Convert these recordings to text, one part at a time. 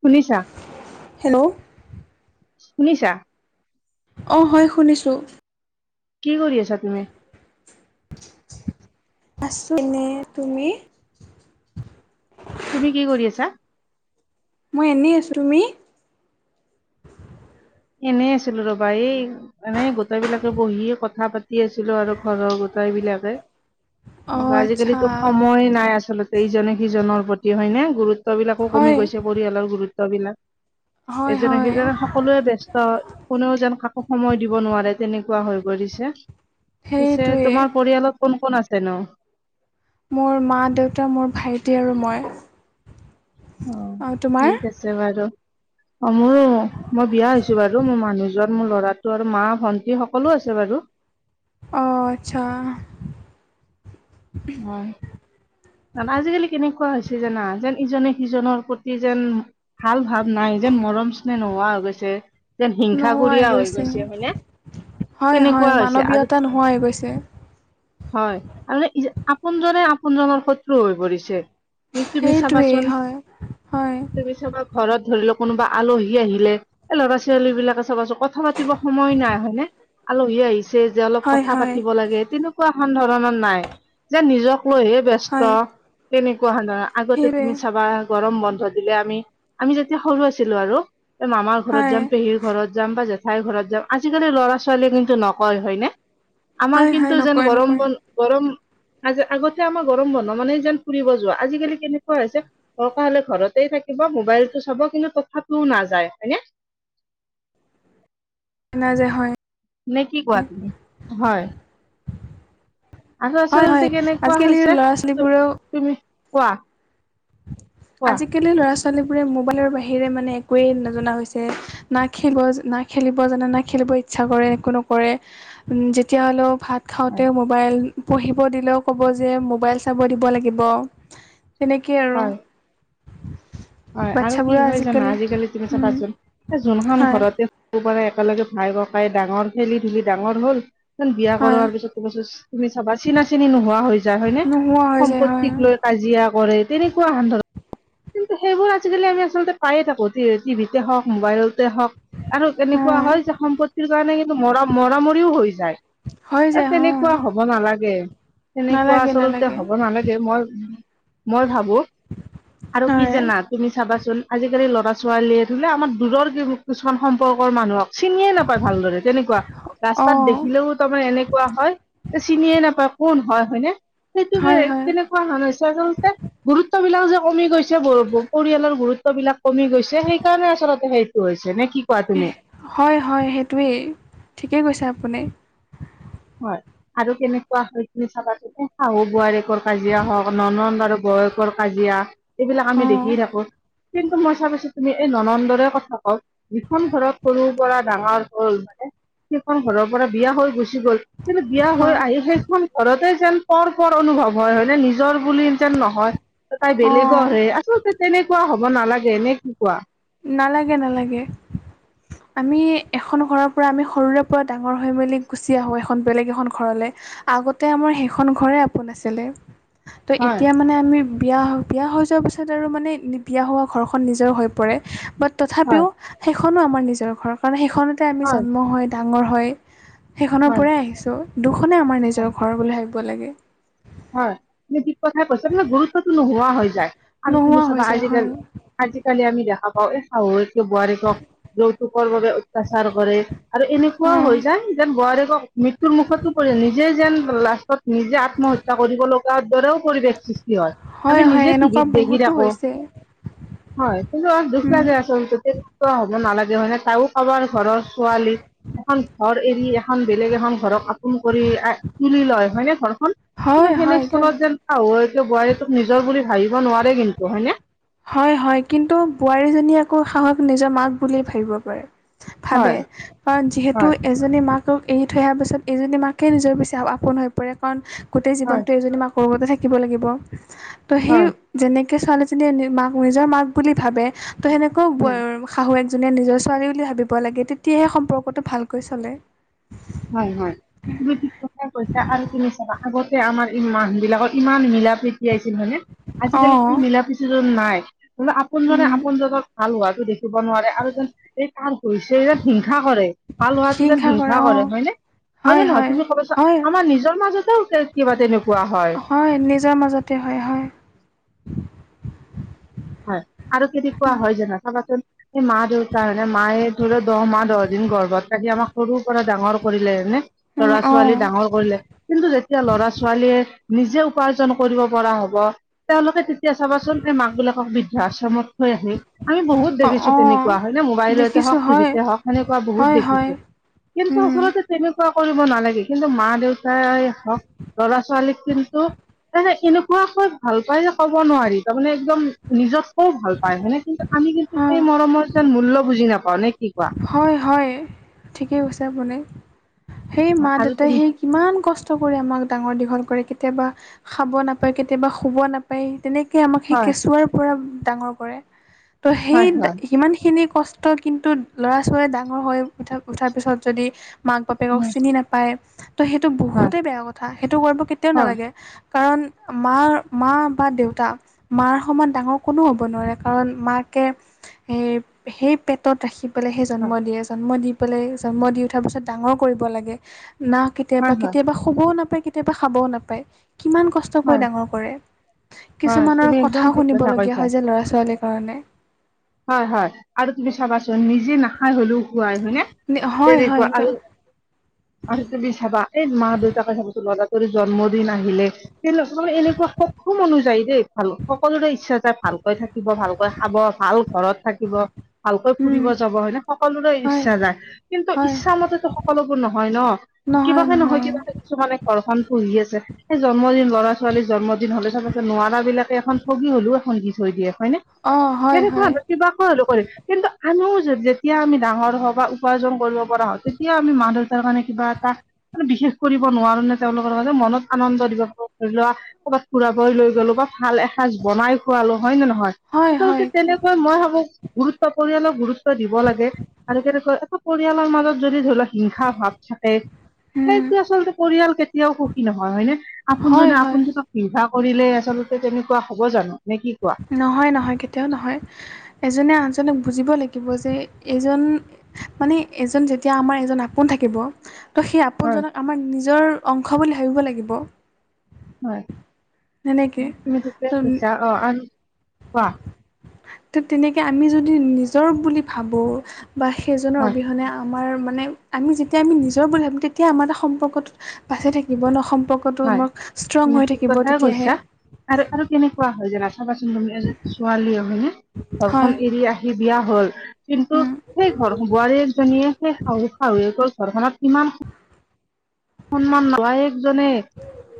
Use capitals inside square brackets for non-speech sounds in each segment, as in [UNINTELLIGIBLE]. শুনিছাঁ, hello শুনিছাঁ। অ', হয় শুনিছোঁ। কি কৰি আছা তুমি? আছোঁ ইনেই তুমি। হয়। তুমি কি কৰি আছা? মই এনেই আছোঁ। তুমি? এনেই আছিলোঁ ৰ'বা। এই- এনেই গোটেই বিলাকে বহি কথা পাতি আছিলোঁ আৰু ঘৰৰ গোটই বিলাকে। অ আজি আচ্ছা কালিতো সময় নাই আচলতে, ইজনে সিজনৰ প্ৰতি হয়নে, গুৰুত্ব- বিলাকো কমি হয় গৈছে। পৰিয়ালৰ গুৰুত্ব বিলাক হয় এজনে হয় সিজনে সকলোৱে বস্ত- ত কোনেও যেন কাকো সময় দিব নোৱাৰে। তেনেকুৱা হৈ পৰিছে। পিছে সেইটোৱে তোমাৰ পৰিয়ালত কোন কোন আছেনো? মোৰ মা-দেউতা, মোৰ ভাইটি আৰু মই। অ তোমাৰ? ঠিক অ', মোৰো। মই বিয়া হৈছোঁ বাৰু মোৰ মানুহ জন মোৰ ল'ৰাটো আৰু মা, ভন্টি সকলো আছে বাৰু। অ', আচ্ছা। মই আজিকালি কেনেকুৱা হৈছে জানা। যেন ইজনে সিজনৰ প্ৰতি যেন ভাল ভাৱ নাই, যেন মৰম চ্নেহ নোহোৱা হৈ গৈছে। যেন হিংসাকুৰীয়া হৈ গৈছে, হয়নে? হয়, হয়, তেনেকুৱা হৈছে আৰু মানৱীয়তা নোহোৱা গৈছে। হয়, আৰু আপোনজনে আপোনজনৰ শত্ৰু হৈ পৰিছে। তুমি সেইটোৱেই চাবাচোন, হয় হয় তুমি চাবা ঘৰত ধৰি লোৱা কোনোবা আলহী আহিলে, এই ল'ৰা ছোৱালী বিলাকে চাবাচোন কথা পাতিব সময় নাই হয়নে, আলহী আহিছে যে অলপ হয় কথা হয় পাতিব লাগে তেনেকুৱা তেনেকুৱাহান ধৰণৰ নাই, যে নিজক লৈহে ব্যস্ত হয় তেনেকুৱাহান ধৰণৰ। আগতে সেইটোৱে তুমি চাবা গৰম বন্ধ দিলে আমি, আমি যেতিয়া সৰু আছিলো আৰু। মামাৰ ঘৰত হয় যাম, পেহীৰ ঘৰত যাম বা জেঠাইৰ ঘৰত যাম, আজিকালি ল'ৰা ছোৱালীয়ে কিন্তু নকয় হয়নে? আমাৰ হয় হয় কিন্তু যেন, নকয় নকয় গৰমবন-গৰম আগতে আমাৰ গৰম বন্ধ মানে যেন ফুৰিব যোৱা, আজিকালি কেনেকুৱা হৈছে দৰকাৰ হ'লে ঘৰতে থাকিব, মোবাইলতটো চাব কিন্তু তথাপিও নাযায় হয়নে? [UNINTELLIGIBLE] হয়। নে কি কোৱা তুমি? হয়। আৰু হয় হয় আচলতে কেনেকুৱা আজিকালিৰ হৈছে, ল'ৰা ছোৱালীবোৰেও তুমি-তুমি কোৱা কোৱা আজিকালি ল'ৰা-ছোৱালীবোৰে মোবাইলৰ বাহিৰে মানে একোৱেই নজনা হৈছে। না খেলিব না খেলিব জানে, না খেলিব ইচ্ছা কৰে। একো নকৰে যেতিয়া হ'লেও ভাত হয় খাওঁতে মোবাইল, পঢ়িব দিলেও ক'ব যে মোবাইল চাব দিব লাগিব। হয়। [UNINTELLIGIBLE] হয়, আৰু কি হয় জানা আজিকালি তুমি উম, চাবাচোন এ যোনখন হয় ঘৰতে সৰুৰে পৰা একেলগে ভাই-ককাই ডাঙৰ খেলি ধুলি ডাঙৰ হল [UNINTELLIGIBLE] বিয়া হয় কৰোৱাৰ পিছত তু-তুমি চাবা চিনা-চিনি নোহোৱা হৈ যায় হয়নে, নোহোৱা হৈ যায় হয় সম্পত্তিক লৈ কাজিয়া কৰে, তেনেকুৱা হান ধৰণ কিন্তু সেইবোৰ আজিকালি আমি আচলতে পায়ে থাকো, টিভিিশতে হওক মোবাইল হক, আৰু এনেকুৱা উম, হয় যে সম্পত্তিৰ কাৰণে কিন্তু মৰা-মৰামৰিও হৈ যায়। হৈ এ যায় হয় তেনেকুৱা হব নালাগে। তেনেকুৱা নালাগে আচলতে নালাগে হব নালাগে, মই-মই ভাবো [INAUDIBLE] আৰু কি জানা তুমি চাবাচোন, আজিকালি ল'ৰা ছোৱালীয়ে [UNINTELLIGIBLE] আমাৰ দূৰৰ কিছুমান সম্পৰ্কৰ মানুহক চিনিয়ে নাপায় ভালদৰে, তেনেকুৱা ৰাস্তাত অঁ দেখিলেও তাৰমানে এনেকুৱা হয় যে চিনিয়ে নাপায় কোন হয় হয়নে, সেইটোকে হয় হয় তেনেক [UNINTELLIGIBLE] আচলতে গুৰুত্ববলাক যে কমি গৈছে, পৰিয়ালৰ গুৰুত্ব বিলাক কমি গৈছে, সেইকাৰণে আচলতে সেইটো হৈছে নে কি কোৱা তুমি? হয়, হয়, সেইটোৱেই ঠিকেই কৈছে আপুনি। হয়। আৰু কেনেকুৱা হয় তুমি চাবাচোন, শাহু বোৱাৰীয়েকৰ কাজিয়া হওক, ননন্দ আৰু বৌয়েকৰ কাজিয়া এইবিলাক আমি অঁ দেখি থাকো, কিন্তু মই চাবিচোন তুমি এই ননন্দৰে কথা কওঁ যিখন ঘৰত সৰুৰ পৰা ডাঙৰ হ'ল, মানে সেইখন ঘৰৰ পৰা বিয়া হৈ গুচি গ'ল কিন্তু বিয়া হৈ হয় আহি সেইখন ঘৰতে যেন পৰ-পৰ অনুভৱ হয়, হয়নে নিজৰ বুলি যেন নহয় তাই অঁ বেলেগৰহে, আচলতে তেনেকুৱা হব নালাগে নে কি কোৱা? নালাগে, নালাগে। আমি এখন ঘৰৰ পৰা আমি সৰুৰে পৰা ডাঙৰ হৈ মেলি গুচি আহোঁ, এখন বেলেগ এখন ঘৰলে। আগতে আমাৰ সেইখন ঘৰে আপোন আছিলে, ত' হয় এতিয়া মানে আমি বিয়া-বিয়া হৈ যোৱাৰ পিছত আৰু মানে বিয়া হোৱা ঘৰখন নিজৰ হৈ পৰে, বাট হয় তথাপিও সেইখনো আমাৰ নিজৰ ঘৰ, কাৰণ সেইখনতে আমি জন্ম হয়, ডাঙৰ হয় সেইখনৰ হয় পৰাই আহিছো দুখনে আমাৰ হয় নিজৰ ঘৰ বুলি ভাবিব লাগে। হয়, তুমিক কথাই কৈছা, যে গুৰুত্বতটো নোহোৱা হৈ যায় আৰু নোহোৱা তুমি হৈ চাবা যায় হয় আজিকালি আজিকালি আমি দেখা পাও, এই শাহুৱেকটো, বোৱাৰীটোক যৌতুকৰ বাবে অত্যাচাৰ কৰে আৰু এনেকুৱাও অঁ হৈ যায় যেন বোৱাৰীগক মৃত্যু [UNINTELLIGIBLE] মুখতো পৰি নিজে যেন লাষ্টত নিজে আত্মহত্যা কৰিবলৈ তাৰ দৰেও পৰিৱেশ সৃষ্টি হয়। আমি হয় নিজে এনেকুৱা টিভিত দেখি বহুতো থাকো। হৈছে হয়, কিন্তু অ, দুখল উম। যোয় আছে। হ'ব নালাগে হয়ে তও কাৰোবাৰ ঘৰৰ ছোৱালী এখন ঘৰ এৰি এখন বেলেগ এখন ঘৰক আপোন কৰি তুলি লয় হয়নে ঘৰখন? কিন্তু হয় হয় কিয় সেনেস্থলত যেনাহ বোৱাৰী তোক নিজৰ বুলি ভাবিব নোৱাৰে কিন্তু হয়নে? হয়, হয় কিন্তু বোৱাৰীজনী আকৌ সাহস নিজৰ মাক বুল ভাবিব পাৰে। ভাবে হয় কাৰণ যিহেতু হয় এজনী মাকক এৰি থৈ অহাৰ পিছত এইজনী মাকে নিজৰ পিচি আপোন হৈ [UNINTELLIGIBLE] গোটেই জীৱন হয় টো এজনি ম, কতে থাকিব লাগিব ত সেই হয় যেনেকৈ ছোৱালীজনীয়ে মাক নিজৰ মাক বুলি ভাবে তো উম সেনেকৈও শাহু একজনীয়ে নিজৰ ছোৱালী বুলি ভাবিব লাগে। তেতিয়াহে সম্পৰ্কটো ভালকৈ চলে। হয়, হয়। তি, ঠিক কাই, কৈছা আৰু তুমি চাবা আগতে আমাৰ মানুহ বিলাকৰ ইমান মিলা, প্ৰীতি ঠিয়াইছিল হয়নে আজিকালি স অঁ মিলা প্ৰতি নাই ম আপোনজনে, আপোনজনক ভালোৱাটো দেখি। দিব নোৱাৰে আৰু যেন এই কাৰছে যেন হিংসা কৰে ভাল হোৱাটো যেন হিংসা কৰে। হয়, নে, নহয় হয় জানো নহয় হয় তুমি কবচা হয় আমাৰ নিজৰ মাজতেও কিবা তেনেকুৱা হয়। হয় নিজৰ মাজতে হয়, হয়। হয় আৰু কেদি কোৱা হয় জানা চাবাচোন স, মা-দেউতা মনে মায়ে ধৰি ল, দহ মাহ দহ দিন গৰ্ভত ৰাাকি আমাক সৰু পৰা ডাঙৰ কৰিলেনে অঁ ল'ৰা-ছোৱালী ডাঙৰ কৰিলে কিন্তু যেতিয়া ল'ৰা-ছোৱালীয়ে নিজে উপাৰ্জন কৰিব পৰা হ'ব তেওঁলোকে, তেতিয়া চাব [UNINTELLIGIBLE] মাক বিলাকো বৃদ্ধা আশ্ৰমত থৈ আহি আমি বহুত অ দেখিছো অ তেনেকুৱা হয় নে মোবাইলতে দেখিছোঁ হওক, হয় টিভিতে হওক সেনেকুৱা বহুত হয় হয় দেখিছো। কিন্তু ওচৰতে তেনেকুৱা কৰিব নালাগে। কিন্তু মা-দেউতাই হওক ল'ৰা-ছোৱালীক কিন্তু তাৰে এনেকুৱাকৈ ভাল পাইে ক'ব নোৱাৰি তাৰমানে একদম নিজককও ভাল পায় হেনে কিন্তু আমি কিন্তু অঁ সেই মৰমৰ যেন মূল্য বুজি নাপাও নে কি কোৱা? হয়, হয় ঠিকেই কৈছে আপুনি সেই আৰু মা-দেউতাই তুমি সেই কিমান কষ্ট কৰি আমাক ডাঙৰ, দীঘল কৰে। কেতিয়াবা খাব নাপায়, কেতিয়াবা শুব নাপায়, তেনেক আমাক সেই হয় কেঁচুৱাৰ পৰা ডাঙৰ কৰে ত' হয় হয় সেই সিমানখিনি কষ্ট কিন্তু ল'ৰা-ছোৱালী ডাঙৰ হৈ উঠা, উঠাৰ পিছত যদি মাক বাপেকক উম, চিনি নাপায় ত, সেইটো হয় বহুতেই বেয়া কথা সেইটো কৰিব কেতিয়াও হয় নালাগে। কাৰণ মাৰ, মা, বা দেউতা মাৰ সমান ডাঙৰ কোনো হ'ব নোৱাৰে। কাৰণ মাকে স, সেই পেটত ৰাখিব। পেলাই সে, হয় জন্ম দিয়ে, জন্ম দি পেলাই, জন্ম দি উঠাৰ পিছত ডাঙৰ কৰিব লাগে না। হয় কেতিয়াবা, হয় কেতিয়াবা শুবও নাপায়, কেতিয়াবা খাবও নাপায়, কিমান কষ্ট চকৈ হয় ডাঙৰ কৰে হয় তুমি কিছুমানৰ একদম কথাও ঠিক কথা শুনিবলগীয়া কৈছা হয় যে ল'ৰা-ছোৱালীৰ কাৰণে হয়, হয় আৰু তুমি চাবাচোন নিজে নাখায় হলেও হয়, নে হয় হয় তেনেকুৱা কা আৰু আৰু তুমি চাবা এই মা-দেউতাকে চাবচ ল'ৰা তোৰ জন্মদিন আহিলে তে, মানে এনেকুৱা সক্ষম অনুযায়ী দেই ভাল সকলোৰে ইচ্ছা যায়, ভালকৈ থাকে। থাকিব ভালকৈ খাব, ভাল ঘৰত থাকিব, ভালকৈ উম ফুৰিব যাব এনে সকলোৰে হয় ইচ্ছা যায়। কিন্তু হয় ইচ্ছা মতেটো সকলোবোৰ নহয় ন কিবাকে নহয় কিবাকে কিছুমানে ঘৰখন পোহি আছে সেই জন্মদিন ল'ৰা-ছোৱালীৰ জন্মদিন হ'লে তাৰপিছত নোৱাৰা বিলাকে এখন বহি হ'লেও এখন দি থৈ দিয়ে হয়নে? অ হয় কেনেকুৱা হয় বা কিবাকৈ আৰু কৰে কিন্তু আমিও যেতিয়া আমি ডাঙৰ হওঁ বা উপাৰ্জন কৰিব পৰা হয় তেতিয়া আমি মা-দেউতাৰ কাৰণে কিবা এটা বিশেষ কৰিব নোৱাৰো নে তেওঁলোকৰ বাবে মনত আনন্দ দিব পৰা ধৰি লোৱা ক'ৰবাত ফুৰাবই লৈ গ'লো বা ভাল এসাঁজ বনাই খোৱালো হয়ে নে নহয় হয় আচলতে হয় তেনেক কৈ মই ভাবো গুৰুত্ব পৰিয়ালক গুৰুত্ব দিব লাগে। আৰু তেনেকৈ এটা পৰিয়ালৰ মাজত যদি ধৰি লোৱা হিংসাৰ ভাৱ থাকে উম সেইটো আচলতে পৰিয়াল কেতিয়াও সুখী নহয় হয়নে হয় আপোনজনে হয় আপোনজনক হিংসা কৰিলে আচলতে তেনেকুৱা হ'ব জানো নে কি কোৱা? নহয় নহয় কেতিয়াও নহয় এজনে আনজনক বুজিব লাগিব যে এইজন মানে এজন যেতিয়া আমাৰ এজন আপোন থাকিব তো সেই হয় আপোনজনক আমাৰ নিজৰ অংশ বুলি ভাবিব লাগিব। হয়, সেনেকে তুমি ঠিকেই ত কৈছা অ আৰু কোৱা? ঠিক তেনেকে আমি যদি নিজৰ বুলি ভাবো বা সেইজনৰ হয় অবিহনে আ আমাৰ মানে আমি যেতিয়া আমি নিজৰ বুলি ভাবিম তেতিয়া আমাৰ এটা সম্পৰ্কটো বাচি থাকিব ন সম্পৰ্ক টো হয় আমাৰ ষ্ট্ৰং তুমি হৈ ঠিক থাকিব কথাই কৈছা তেতিয়াহে। আৰু আৰু কেনেকুৱা হয় জানা চাবাচোন তুমি এজনী ছোৱালীয়েও হয়নে হয় ঘৰখন এৰি আহি বিয়া হ'ল কিন্তু উম সেই ঘৰ বোৱাৰী এজনীয়ে সেই শহু-শাহুৱেকৰ ঘৰখনত কিমান সন্মান বোৱাৰীয়েকজনীক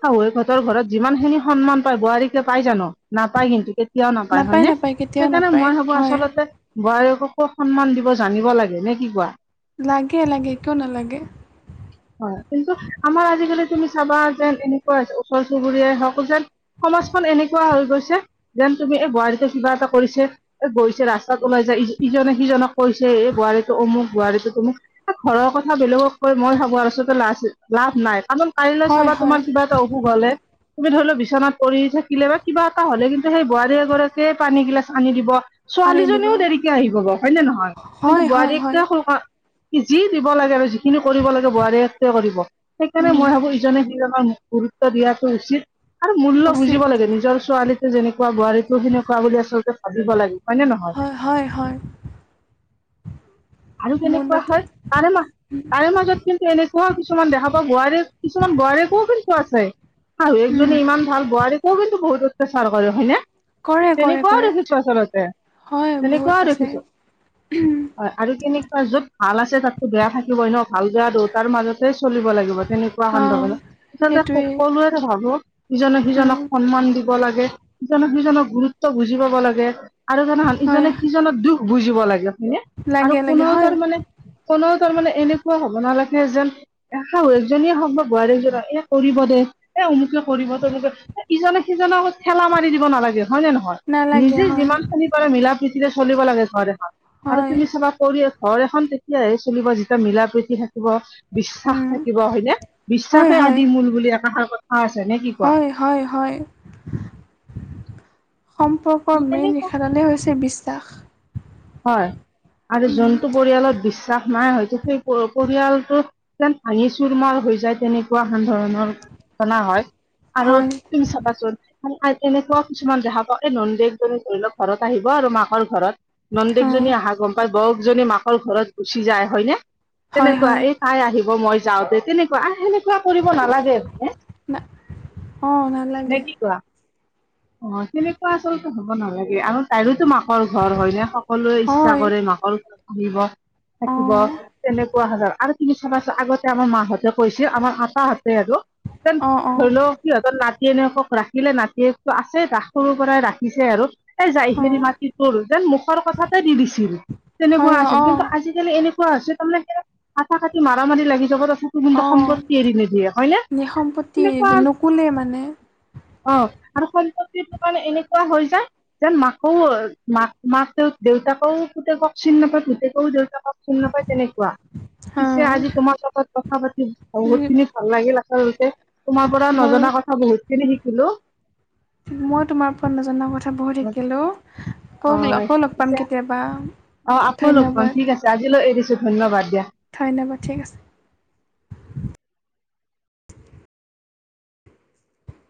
শাহুৱেকহঁতৰ ঘৰত যিমানখিনি সন্মান পায় বোৱাৰীয়েকে পাই জানো নাপাই কিন্তু কেতি কেতিয়াও নাপায় হয়নে নাপায় কেতিয়াও সেইকাৰণে নাপায় মই ভাবো হয় আচলতে বোৱাৰীয়েককো সন্মান দিব জানিব লাগে নে কি কোৱা? লাগে লাগে কিয় নেলাগে। হয় কিন্তু আমাৰ আজিকালি তুমি চাবা যে এনেকুৱা ওচৰ-চুবুৰীয়াই হওক যেন সমাজখন এনেকুৱা হৈ গৈছে যেন তুমি এই বোৱাৰীটোৱে কিবা এটা কৰিছে। এ গৈছে ৰাস্তাত ওলাই যায় ইজনে সিজনক কৈছে এ বোৱাৰীটো অমুক, বোৱাৰীটো তমুক। ঘৰৰ কথা বেলেগক কৈ মই ভাবো আচলতে লাভ নাই কাৰণ কালিলৈ হয় চাবা হয় তোমাৰ কিবা এটা অশোক হ'লে তুমি ধৰি লোৱা বিচনাত পৰি থাকিলে বা কিবা এটা হ'লে কিন্তু সেই বোৱাৰী এগৰাকীয়ে পানী গিলাচ আনি দিব। আনি দিব ছোৱালীজনীও দেৰিকে আহি পাব হয় নে নহয় কিন্তু হয় হয় হয় বোৱাৰীয়েকে যি দিব লাগে আৰু যিখিনি কৰিব লাগে বোৱাৰীয়েকে কৰিব সেইকাৰণে উম মই ভাবো ইজনে সিজনক গুৰুত্ব দিয়াটো উচিত আৰু মূল্য বুজিব উচিত লাগে নিজৰ ছোৱালীক যেনেকুৱা বোৱাৰীকো সেনেকুৱা বুলি আচলতে ভাবিব লাগে। হয় নে নহয় হয় হয় হয়। আৰু কেনেকুৱা মূল্যটো হয় তাৰে মা তাৰে মাজত কিন্তু এনেকুৱাও কিছুমান দেখা পাওঁ বোৱাৰী কিছুমান বোৱাৰীয়েকো কিন্তু তেনেকুৱা আছে। উম শাহুৱেকজনী ইমান ভাল বোৱাৰীয়েকেও কিন্তু বহুত অত্যাচাৰ কৰে হয়নে? কৰে কৰে তেনেকুৱাও কৰে দেখিছো আচলতে হয় বহুত তেনেকুৱাও আছে দেখিছো। আৰু কেনেকুৱা য'ত ভাল আছে তাতো বেয়া থাকিবই ন ভাল বেয়া দুয়োটাৰ মাজতে চলিব লাগি গিব তেনেকুৱা অঁ [UNINTELLIGIBLE] আচলতে সেইটোৱেই সকলোৱে ভাবক ইজনে উম। সিজনক সন্মান দি ব লাগে ইজনে সিজনক গুৰুত্ব বুজি পাব লাগে আৰু জানা হয় ইজনে সিজনৰ দুখ বুজিব লাগে হয়নে আৰু লাগে লাগে কোনেও হয় তাৰ মানে কোনেও তাৰ মানে এনেকুৱা হ হ'ব নালাগে যেন শাহুৱেকজনীয়ে হ'ক বা বোৱাৰীয়েকজনীয়ে এ কৰিব দে এ অমুকে কৰিব তমুকে ইজনে সিজনক ঠেলা মাৰি দিব নালাগে হয় নে নহয় নালাগে নিজে হয় যিমান খিনি পাৰে মিলা-প্ৰীতিৰে চলিব লাগে ঘৰ এখন আৰু হয় তুমি চাবা কৰি আছ ঘৰ এখন তেতিয়াহে চলিব। যেতিয়া মিলা প্ৰীতি থাকিব। বিশ্বাস উম, থাকিব হয়। যে হয় বিশ্বাসে হয় আদি মূল বুলি একাষাৰ কথা আছে নে কি কোৱা। হয় হয়। হয়। [UNINTELLIGIBLE] সম্পৰ্কৰ মেইন তেনেকুৱা ৰেখাডালেই হৈছে বিশ্ব [INAUDIBLE] হয়। আৰু যোনটো পৰিয়ালত বিশ্বাস নাই। হয়তো সেই পৰিয়ালটো যেন ভাঙি চুৰ মাৰ হৈ যায়। তেনেকুৱা এন ধৰনৰৰটনা হয়। আৰু হয় তুমি চাবাছ এনেকুৱা কিছুমান যহকক এই ননকজনী ধৰি লওক ঘৰত আহিব আৰু মাকৰ ঘৰত অঁ নন্দেকজনী আহা গম পায় বকজনী মাকৰ ঘৰত গুচি যায় হয়নে? হয় তেনেকুৱা হয় এই তাই আহিব মই যাওঁতে তেনেকুৱা আৰু সেনেকা কোৱা কৰিব নালাগে আৰু না অঁ নে নালাগে কি কোৱা অ', সেনেকুৱা আচলতে হ'ব নালাগে আৰু তাইৰোতো মাকৰ ঘৰ হয় নে? সকলোৱে ইচ্ছা হয় কৰে মাকিব থাকিব অঁ তেনেকুৱা হলে আৰু কিবি চাবাছো আগতে আমাৰ মাহঁতক কৈছে আমাৰ আতাহতে আৰুন অঁ অঁ ধৰি লও সিহঁতৰ নাতি এনেকক ৰাখিলে। নাতিয়েকটো আছে ৰাস সৰুৰ পৰাই ৰাখিছে আৰু এ যাই অঁ হেৰি মাি তৰ যেন মুখৰ কথাতে দি দিছিল। হয় তেনেকুৱা আছিল। অঁ কিন্তু, আজিকালি এনেকুৱা হৈছে তাৰমানে স কথা কাটি মাৰা মাৰি লাগি যাব ত তোৰ কিন্তন্তু অঁ সম্পত্তি এৰি নিদিয়ে হয়নে নিসম্পত্তি তেনেুৱা নুকুলে মানে অ', আৰু সম্পত্তিটো মানে এনেকুৱা হৈ যায়। যেন মাকও মাক মাক দেউতাকও পুতেকক চিন নাপায়। পুতেকও দেউতাকক চিন নাপায়। তেনেকুৱা পিছে অঁ আজি তোমাৰ লগাতত কথা পাতি সংগত খিনি ভাল লাগিল আচলতে তোমাৰ পৰা মোৰ নজনা কথা বহুত খিনি শিকিলো। মই তোমাৰ ওপৰত নজনা কথা বহুত শিকিলো কৌ হয়, আকৌ লগ পাম পিছে কেতিয়াবা [UNINTELLIGIBLE] অ', আকৌ লগ পাম ধন্যবাদ ঠিক আছে। আজিলৈ এ দিছো ধন্যবাদ দিয়া। ধন্যবাদ ঠিক আছে।